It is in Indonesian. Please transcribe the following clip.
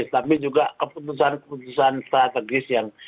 tapi juga keputusan keputusan strategis yang